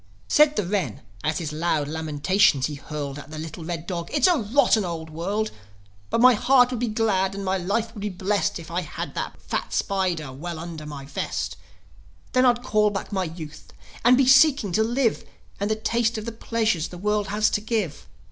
Said the wren, as his loud lamentations he hurled At the little red dog, "It's a rotten old world! But my heart would be glad, and my life would be blest If I had that fat spider well under my vest. Then I'd call back my youth, and be seeking to live, And to taste of the pleasures the world has to give.